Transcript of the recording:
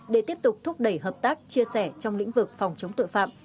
để tiếp tục thúc đẩy hợp tác chia sẻ trong lĩnh vực phòng chống tội phạm